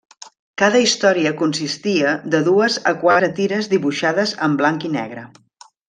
Cada història consistia de dues a quatre tires dibuixades en blanc i negre.